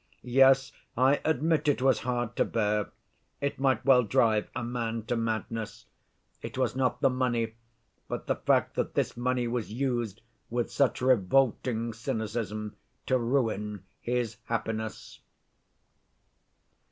Yes, I admit it was hard to bear! It might well drive a man to madness. It was not the money, but the fact that this money was used with such revolting cynicism to ruin his happiness!"